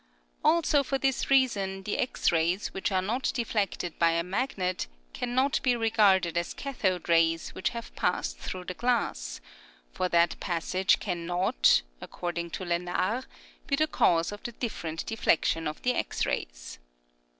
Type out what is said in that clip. Also for this reason the X rays which are not deflected by a magnet cannot be regarded as cathode rays which have passed through the glass, for that passage cannot, according to Lenard, be the cause of the different deflection of the X rays.